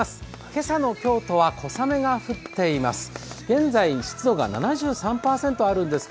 今朝の京都は小雨が降っています。